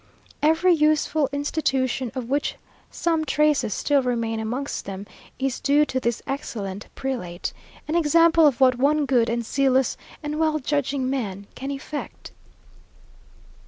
Every useful institution, of which some traces still remain amongst them, is due to this excellent prelate; an example of what one good and zealous and well judging man can effect.